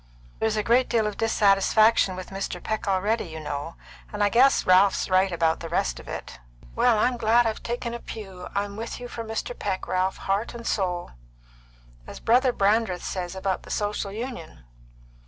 "There's a great deal of dissatisfaction with Mr. Peck already, you know, and I guess Ralph's right about the rest of it." "Well, I'm glad I've taken a pew. I'm with you for Mr. Peck, Ralph, heart and soul." "As Brother Brandreth says about the Social Union.